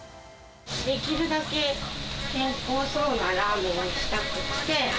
できるだけ健康そうなラーメンにしたくって。